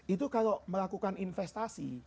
itu kalau melakukan investasi